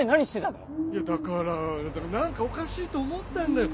いやだから何かおかしいと思ったんだよ